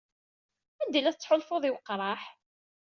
Anda ay la tettḥulfuḍ i weqraḥ?